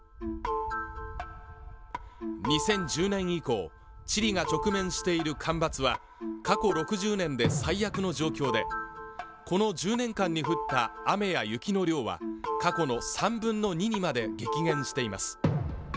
２０１０年以降チリが直面している干ばつは過去６０年で最悪の状況でこの１０年間に降った雨や雪の量は過去の３分の２にまで激減しています。